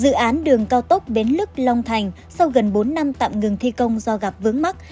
dự án đường cao tốc bến lức long thành sau gần bốn năm tạm ngừng thi công do gặp vướng mắt